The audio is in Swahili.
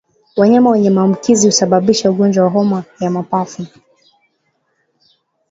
Wanyama wenye maambukizi husababisha ugonjwa wa homa ya mapafu